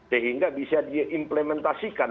sehingga bisa diimplementasikan